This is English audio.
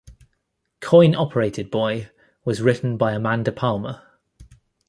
"Coin-Operated Boy" was written by Amanda Palmer.